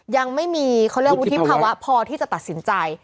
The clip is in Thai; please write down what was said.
ยังไม่มีเขาเรียกวุฒิภาวะพอที่จะตัดสินใจ